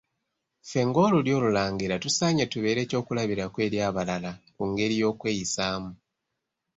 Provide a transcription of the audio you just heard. Ffe ng'Olulyo Olulangira tusaanye tubeere ekyokulabirako eri abalala ku ngeri y'okweyisaamu.